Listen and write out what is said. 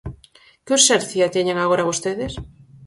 ¿Que urxencia teñen agora vostedes?